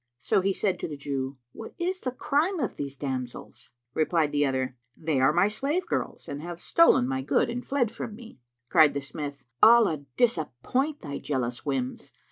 So he said to the Jew, "What is the crime of these damsels?" Replied the other, "They are my slave girls, and have stolen my good and fled from me." Cried the smith, "Allah disappoint thy jealous whims!